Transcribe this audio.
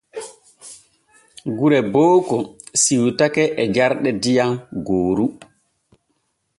Gure Boobo siwtake e jarɗe diyam gooru.